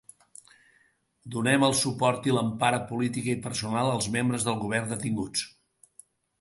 Donem el suport i l’empara política i personal als membres del govern detinguts.